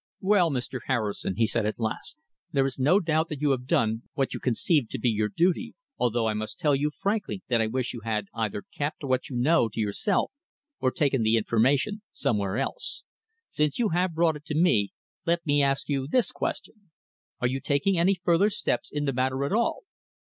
"Well, Mr. Harrison," he said at last, "there is no doubt that you have done what you conceived to be your duty, although I must tell you frankly that I wish you had either kept what you know to yourself or taken the information somewhere else. Since you have brought it to me, let me ask you this question. Are you taking any further steps in the matter at all?"